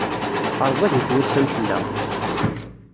Rẓagit wussan fell-aɣ.